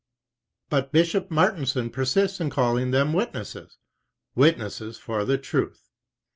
"But Bishop Martensen persists in calling them witnesses, witnesses for the Truth.